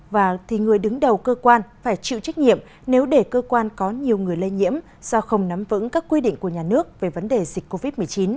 và thì người đứng đầu cơ quan phải chịu trách nhiệm nếu để cơ quan có nhiều người lây nhiễm do không nắm vững các quy định của nhà nước về vấn đề dịch covid một mươi chín